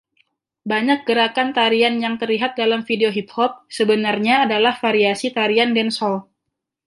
Banyak gerakan tarian yang terlihat dalam video hip hop sebenarnya adalah variasi tarian dancehall.